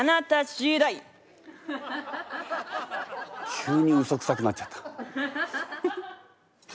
急にウソくさくなっちゃった。